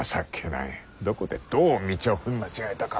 どこでどう道を踏み間違えたか。